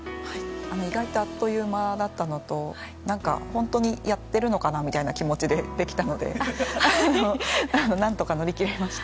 意外とあっという間だったのと本当にやっているのかなみたいな気持ちでできたので何とか乗り切れました。